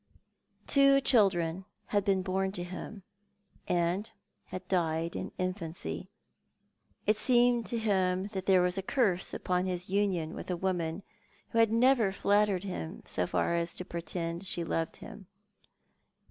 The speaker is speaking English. Two children had been born to him, and had died in infancy. It seemed to him that there was a curse upon his union with a woman who had never flattered him so far as to pretend she loved him.